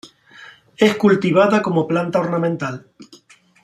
Es cultivada como planta ornamental.